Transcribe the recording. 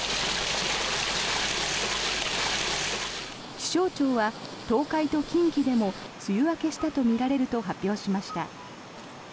気象庁は東海と近畿でも梅雨明けしたとみられると発表しました。